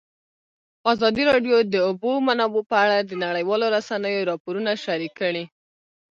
ازادي راډیو د د اوبو منابع په اړه د نړیوالو رسنیو راپورونه شریک کړي.